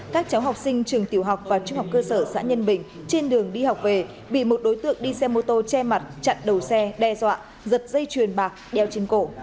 các cháu học sinh trường tiểu học và trung học cơ sở xã nhân bình trên đường đi học về bị một đối tượng đi xe mô tô che mặt chặn đầu xe đe dọa giật dây chuyền bạc đeo trên cổ